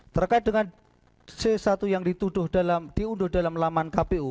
terkait dengan c satu yang dituduh diunduh dalam laman kpu